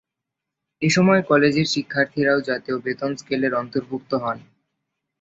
এসময় কলেজের শিক্ষকরাও জাতীয় বেতন স্কেলের অন্তর্ভুক্ত হন।